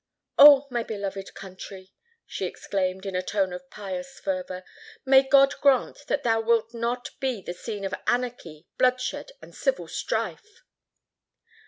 Oh! my beloved country," she exclaimed, in a tone of pious fervour, "may God grant that thou wilt not be the scene of anarchy, bloodshed, and civil strife!"